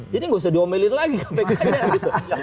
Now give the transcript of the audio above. jadi nggak usah diomelin lagi ke ppk